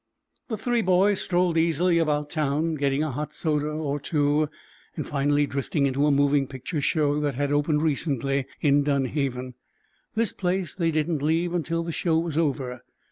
The three boys strolled easily about town, getting a hot soda or two, and, finally, drifting into a moving picture show that had opened recently in Dunhaven. This place they did not leave until the show was over.